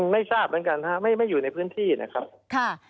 ไม่ทราบเหมือนกันนะครับไม่อยู่ในพื้นที่นะครับ